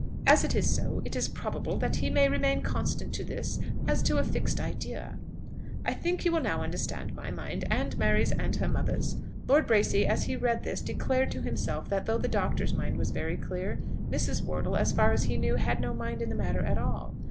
As it is so, it is probable that he may remain constant to this as to a fixed idea. "I think you will now understand my mind and Mary's and her mother's." Lord Bracy as he read this declared to himself that though the Doctor's mind was very clear, Mrs. Wortle, as far as he knew, had no mind in the matter at all.